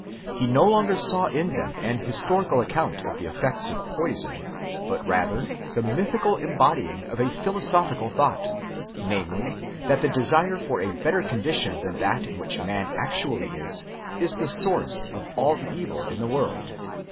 He no longer saw in them an historical account of the effects of poison, but rather the mythical embodying of a philosophical thought ; namely, that the desire for a better condition than that in which man actually is, is the source of all the evil in the world.